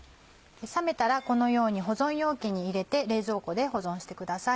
冷めたらこのように保存容器に入れて冷蔵庫で保存してください。